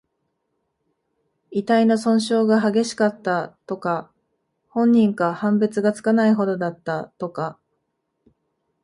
遺体の損傷が激しかった、とか。本人か判別がつかないほどだった、とか。